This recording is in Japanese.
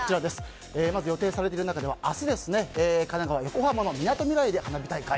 まず予定されている中では明日神奈川・横浜のみなとみらいで花火大会。